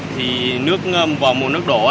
thì nước vào mùa nước đổ